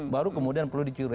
baru kemudian perlu dicurigai